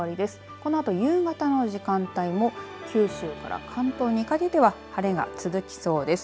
このあと夕方の時間帯も九州から関東にかけては晴れが続きそうです。